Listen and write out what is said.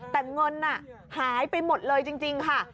แต่เงินหายไปหมดเลยจริงค่ะ